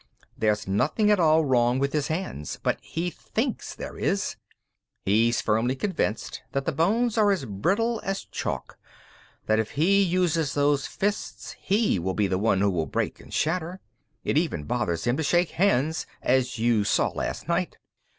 There's nothing at all wrong with his hands. But he thinks there is. He's firmly convinced that the bones are as brittle as chalk, that if he uses those fists, he will be the one who will break and shatter. It even bothers him to shake hands, as you saw last night.